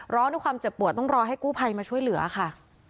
ร้องด้วยความเจ็บปวดต้องรอให้กู้ภัยมาช่วยเหลือค่ะ